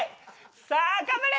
さあ頑張れ！